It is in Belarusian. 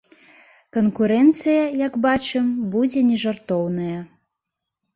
Канкурэнцыя, як бачым, будзе не жартоўная.